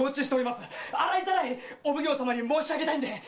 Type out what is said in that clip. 洗いざらいお奉行様に申し上げたいんで！